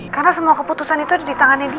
karena semua keputusan itu ada di tangannya dia